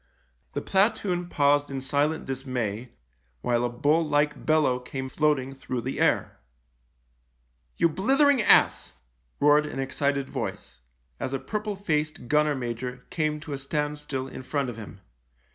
The platoon paused in silent dismay, while a bull like bellow came floating through the air. " You blithering ass," roared an excited voice, as a purple faced gunner major came to a standstill in front of him.